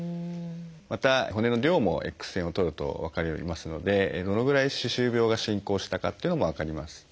また骨の量もＸ線を撮ると分かりますのでどのぐらい歯周病が進行したかっていうのも分かります。